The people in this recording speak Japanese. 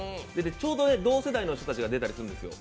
ちょうど同世代の人たちが出たりするんですよ。